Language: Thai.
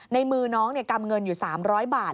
ในมือน้องกำเงินอยู่๓๐๐บาท